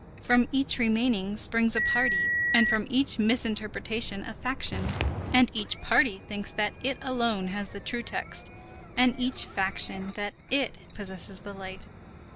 From each remaining springs a party, and from each misinterpretation a faction; and each party thinks that it alone has the true text, and each faction thinks that it possesses the light.